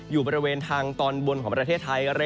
อยู่บริเวณทางตอนบนของประเทศไทย